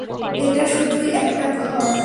এটা শুধুই একটা ঘর।